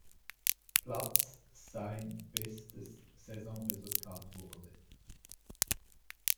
Platz sein bestes Saisonresultat wurde.